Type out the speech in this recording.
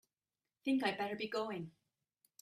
Think I'd better be going.